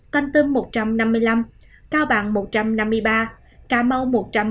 con tâm một trăm năm mươi năm cao bằng một trăm năm mươi ba cà mau một trăm bốn mươi năm